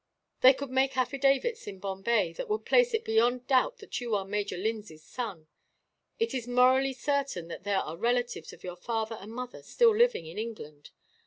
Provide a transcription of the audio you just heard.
They could make affidavits, in Bombay, that would place it beyond doubt that you are Major Lindsay's son. It is morally certain that there are relatives of your father and mother still living, in England.